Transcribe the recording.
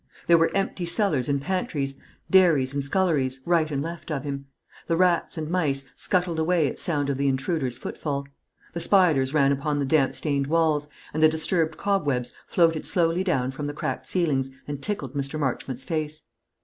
There were empty cellars and pantries, dairies and sculleries, right and left of him. The rats and mice scuttled away at sound of the intruder's footfall. The spiders ran upon the damp stained walls, and the disturbed cobwebs floated slowly down from the cracked ceilings and tickled Mr. Marchmont's face.